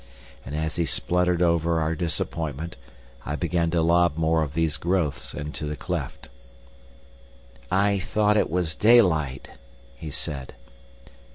And as he spluttered over our disappointment, I began to lob more of these growths into the cleft. "I thought it was daylight," he said.